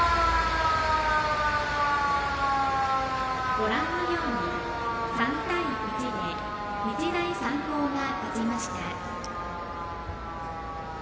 ご覧のように３対１で日大三高が勝ちました。